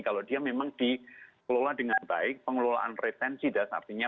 kalau dia memang dikelola dengan baik pengelolaan retensi dasar artinya